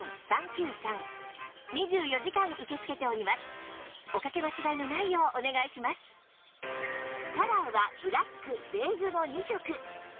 しかもカラーはブラックベージュの２色